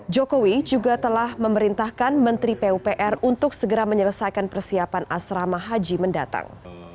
jokowi juga telah memerintahkan menteri pupr untuk segera menyelesaikan persiapan asrama haji mendatang